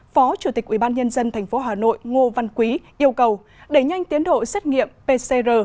phó chủ tịch ubnd tp hà nội ngô văn quý yêu cầu đẩy nhanh tiến độ xét nghiệm pcr